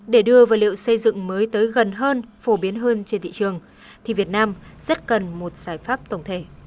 để đưa vật liệu xây dựng mới tới gần hơn phổ biến hơn trên thị trường thì việt nam rất cần một giải pháp tổng thể